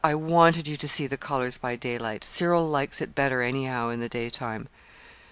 "I wanted you to see the colors by daylight. Cyril likes it better, anyhow, in the daytime."